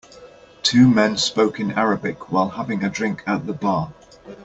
Two men spoke in Arabic while having a drink at the bar.